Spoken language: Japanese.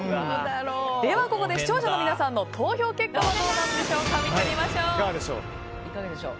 ではここで視聴者の皆さんの投票結果を見てみましょう。